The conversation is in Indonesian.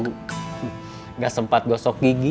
tidak sempat gosok gigi